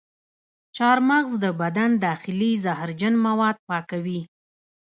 چارمغز د بدن داخلي زهرجن مواد پاکوي.